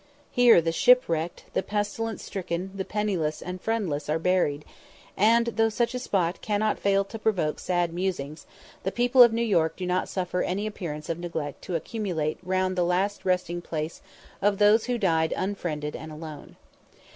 Here the shipwrecked, the pestilence stricken, the penniless, and friendless are buried; and though such a spot cannot fail to provoke sad musings, the people of New York do not suffer any appearances of neglect to accumulate round the last resting place of those who died unfriended and alone.